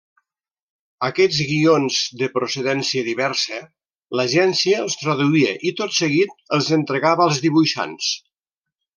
Aquests guions de procedència diversa, l'agència els traduïa i tot seguit els entregava als dibuixants.